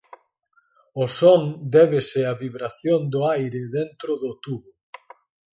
O son débese á vibración do aire dentro do tubo.